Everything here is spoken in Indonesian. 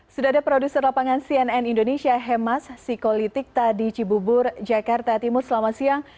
sudah ada produser lapangan cnn indonesia hemas psikolitik tadi cibubur jakarta timur selamat siang